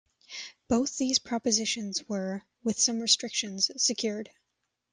Both these propositions were, with some restrictions, secured.